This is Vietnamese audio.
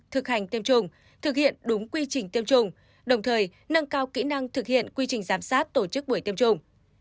thực hành tiêm chủng thực hiện đúng quy trình tiêm chủng đồng thời nâng cao kỹ năng thực hiện quy trình giám sát tổ chức buổi tiêm chủng